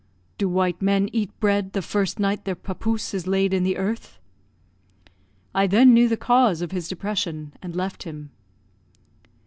"'Do white men eat bread the first night their papouse is laid in the earth?' "I then knew the cause of his depression, and left him."